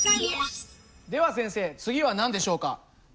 では先生次は何でしょうか？